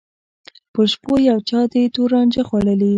په شپو یو چا دي تور رانجه خوړلي